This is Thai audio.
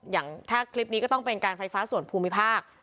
อย่างถ้าคลิปนี้ก็ต้องเป็นการไฟฟ้าส่วนภูมิภาค